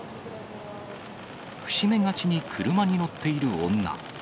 伏し目がちに車に乗っている女。